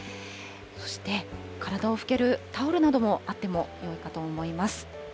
そして、体を拭けるタオルなどもあってもよいかと思います。